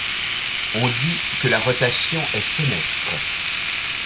On dit que la rotation est sénestre.